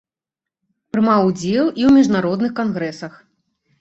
Прымаў удзел і ў міжнародных кангрэсах.